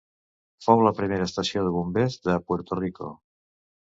Fou la primera estació de bombers de Puerto Rico.